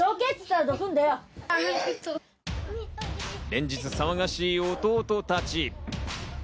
連日騒がしい弟たち。